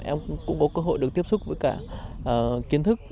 em cũng có cơ hội được tiếp xúc với cả kiến thức